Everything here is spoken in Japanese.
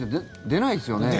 出ないですよね？